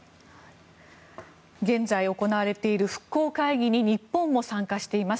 現在行われている復興会議に日本も参加しています。